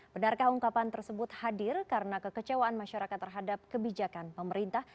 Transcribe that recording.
benarkah ungkapan tersebut hadir karena kekecewaan masyarakat terhadap kebijakan pemerintah